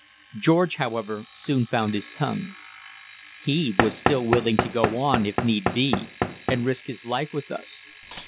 George, however, soon found his tongue. He was still willing to go on, if need be, and risk his life with us.